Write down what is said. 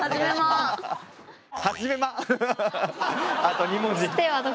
あと２文字。